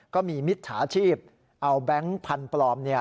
มิจฉาชีพเอาแบงค์พันธุ์ปลอม